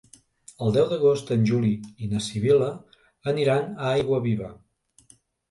El deu d'agost en Juli i na Sibil·la aniran a Aiguaviva.